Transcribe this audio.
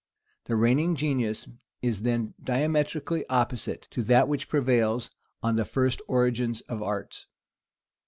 The reigning genius is then diametrically opposite to that which prevails on the first origin of arts.